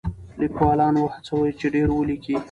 لیکوالان وهڅوئ چې ډېر ولیکي.